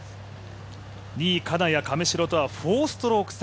２位金谷、亀代とは４ストローク差。